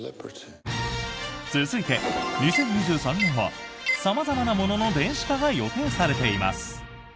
続いて、２０２３年は様々なものの電子化が予定されています。